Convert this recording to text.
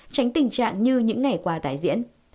tránh tình trạng như những ngày qua tái diễn